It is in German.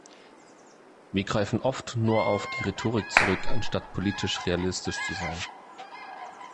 Wir greifen oft nur auf die Rhetorik zurück, anstatt politisch realistisch zu sein.